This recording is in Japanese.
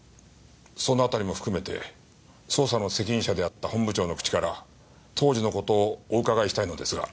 その辺りも含めて捜査の責任者であった本部長の口から当時の事をお伺いしたいのですが。